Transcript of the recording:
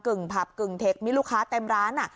่งผับกึ่งเทคมีลูกค้าเต็มร้าน